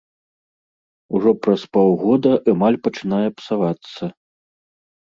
Ужо праз паўгода эмаль пачынае псавацца.